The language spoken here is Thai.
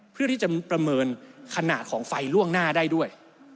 เพื่อที่จะประเมินขนาดของไฟล่วงหน้าได้ด้วย